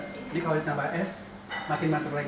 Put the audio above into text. jadi kalau ditambah es makin mantap lagi